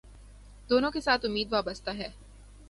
دونوں کے ساتھ امید وابستہ ہے